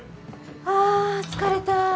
あぁ疲れた。